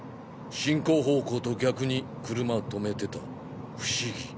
進行方向と逆に車停めてた不思議。